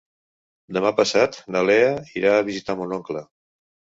Demà passat na Lea irà a visitar mon oncle.